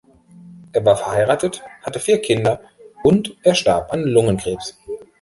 Er war verheiratet, hatte vier Kinder und er starb an Lungenkrebs.